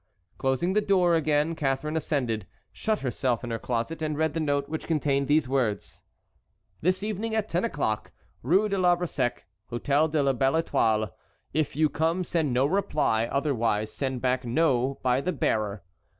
Closing the door again, Catharine ascended, shut herself in her closet, and read the note, which contained these words: "This evening at ten o'clock, Rue de l'Arbre Sec, Hôtel de la Belle Étoile. If you come send no reply; otherwise send back NO by the bearer.